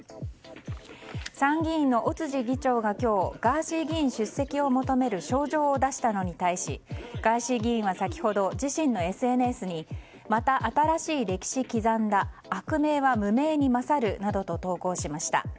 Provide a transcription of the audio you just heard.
参議院の尾辻議長が今日、ガーシー議員出席を求める招状を出したのに対しガーシー議員は先ほど、自身のＳＮＳにまた新しい歴史刻んだ悪名は無名に勝るなどと投稿しました。